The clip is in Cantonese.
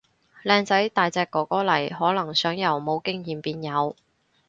靚仔大隻哥哥嚟，可能想由冇經驗變有